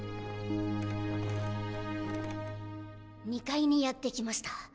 ２階にやってきました。